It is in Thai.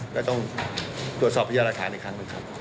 ก็ต้องตรวจสอบพยานหลักฐานอีกครั้งหนึ่งครับ